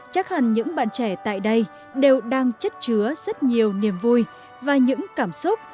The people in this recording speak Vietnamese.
chắc hẳn những bạn trẻ tại đây đều đang chất chứa rất nhiều niềm vui và những cảm xúc